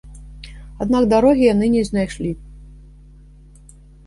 Аднак дарогі яны не знайшлі.